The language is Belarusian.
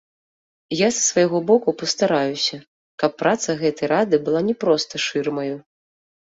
Я са свайго боку пастараюся, каб праца гэтай рады была не проста шырмаю.